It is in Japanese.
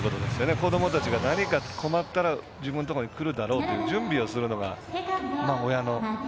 子どもたちが何か困ったら自分のところにくるだろうと準備をするのが親の。